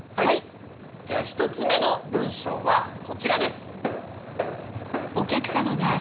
じゃあ１つ目の文章はこちらです！